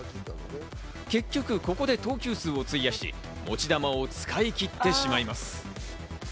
結局、ここで投球数を費やし、持ち球を使い切ってしまいます。